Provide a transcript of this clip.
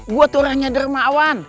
gua tuh orangnya dermawan